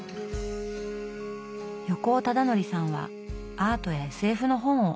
横尾忠則さんはアートやＳＦの本をおすすめ。